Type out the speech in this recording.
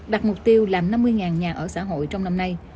đặt mục tiêu làm năm mươi nhà ở xã hội trong năm nay